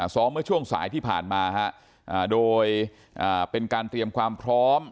เมื่อช่วงสายที่ผ่านมาโดยเป็นการเตรียมความพร้อม